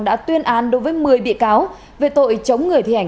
đã tuyên án đối với một mươi bị cáo về tội chống người thi hành